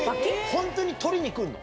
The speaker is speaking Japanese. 本当に取りに来るの？